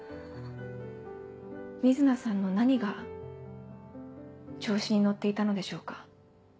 瑞奈さんの何が調子に乗っていたのでしょうか？